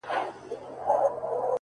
سرکښي نه کوم نور خلاص زما له جنجاله یې،